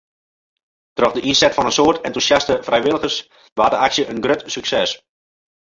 Troch de ynset fan in soad entûsjaste frijwilligers waard de aksje in grut sukses.